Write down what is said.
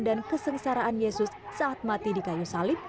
dan kesengsaraan yesus saat mati di kayu salib